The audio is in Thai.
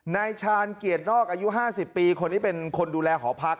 นายชาญเกียรตินอกอายุ๕๐ปีคนนี้เป็นคนดูแลหอพัก